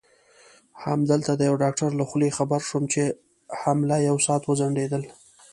همدلته د یوه ډاکټر له خولې خبر شوم چې حمله یو ساعت وځنډېدل.